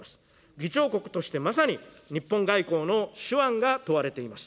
議長国としてまさに日本外交の手腕が問われています。